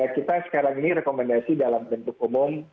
kita sekarang ini rekomendasi dalam bentuk umum